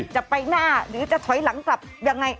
จะไปหน้าหรือจะถอยหลังกลับยังไง